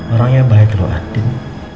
orangnya baik loh andin